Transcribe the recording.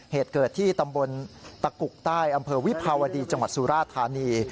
เหตุเกิดที่ตำบลตะกุกใต้อำเภอวิภาวดีจังหวัดสุราธานี